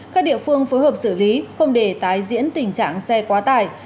các địa phương phối hợp xử lý không để tái diễn tình trạng xe quá tải